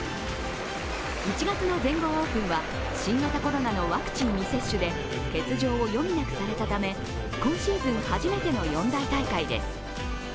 １月の全豪オープンは新型コロナのワクチン未接種で欠場を余儀なくされたため今シーズン初めての四大大会です。